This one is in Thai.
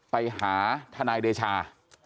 ไปหาทนายเดชา